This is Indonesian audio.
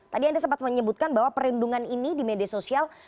tadi anda sempat menyebutkan bahwa perlindungan ini di media sosial